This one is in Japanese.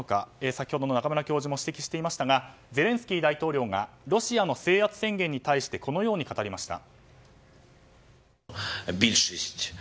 先ほどの中村教授も指摘していましたがゼレンスキー大統領がロシアの制圧宣言に対しこう語りました。